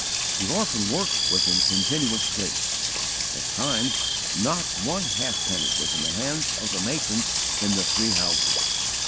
_ The orphan work was in continual straits: at times not one half penny was in the hands of the matrons in the three houses.